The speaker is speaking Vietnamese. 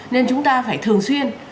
nên chúng ta phải thường xuyên